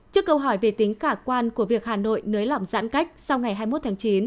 trước câu hỏi về tính khả quan của việc hà nội nới lỏng giãn cách sau ngày hai mươi một tháng chín